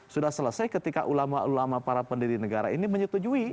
sudah selesai ketika ulama ulama para pendiri negara ini menyetujui